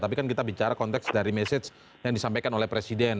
tapi kan kita bicara konteks dari message yang disampaikan oleh presiden